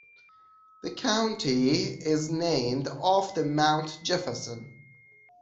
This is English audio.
The county is named after Mount Jefferson.